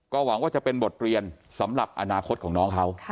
หวังว่าจะเป็นบทเรียนสำหรับอนาคตของน้องเขา